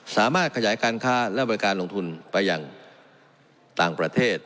สามารถขยายการค้าและบริการลงทุนไปอย่างต่างประเทศ